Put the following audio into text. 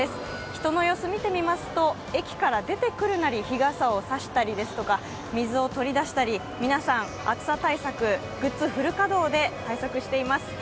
人の様子を見てみますと駅から出てくるなり日傘を差したり、水を取り出したり皆さん、暑さ対策グッズフル稼働で対策しています。